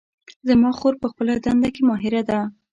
زما خور په خپله دنده کې ماهره ده